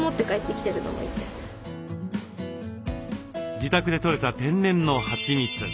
自宅でとれた天然のはちみつ。